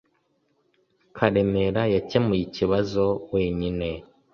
Karemera yakemuye ikibazo wenyine